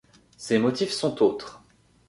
Ses motifs sont autres.